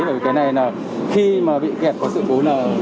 bởi vì cái này là khi mà bị kẹt có sự cố là